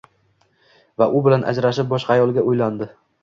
Va u bilan ajrashib, boshqa ayolga uylandi.